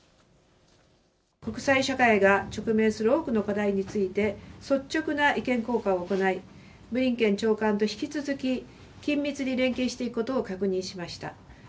国際社会が直面する多くの課題について、率直な意見交換を行い、ブリンケン長官と引き続き緊密に連携していくことを確認しました。